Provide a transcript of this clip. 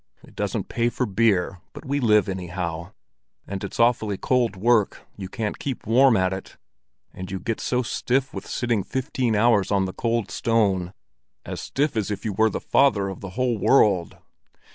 It doesn't pay for beer, but we live anyhow. But it's awfully cold work; you can't keep warm at it, and you get so stiff with sitting fifteen hours on the cold stone—as stiff as if you were the father of the whole world."